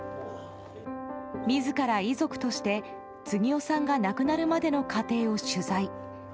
自ら遺族として次男さんが亡くなるまでの過程を取材。